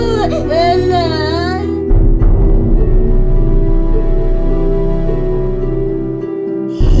แม่หลัง